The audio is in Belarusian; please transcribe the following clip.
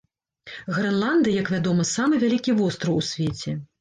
Грэнландыя, як вядома, самы вялікі востраў у свеце.